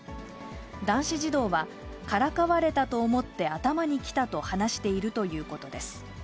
男子児童は、からかわれたと思って頭にきたと話しているということです。